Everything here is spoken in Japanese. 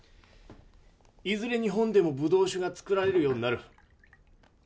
いずれ日本でもぶどう酒が造られるようになる。